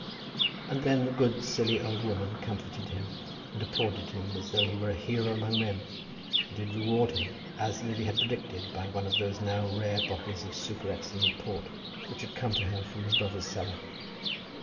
Then the good silly old woman comforted him and applauded him as though he were a hero among men, and did reward him, as Lily had predicted, by one of those now rare bottles of superexcellent port which had come to her from her brother's cellar.